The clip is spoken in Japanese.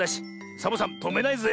サボさんとめないぜ。